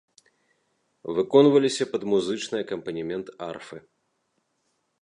Выконваліся пад музычны акампанемент арфы.